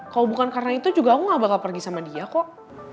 kalau bukan karena itu juga aku gak bakal pergi sama dia kok